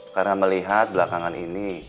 karena melihat belakangan ini